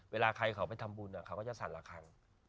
เวลาใครเขาไปทำบุญเขาก็จะสั่นละครั้ง